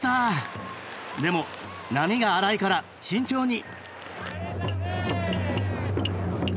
でも波が荒いから慎重に！